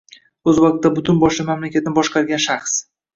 O‘z vaqtida butun boshli mamlakatni boshqargan shaxs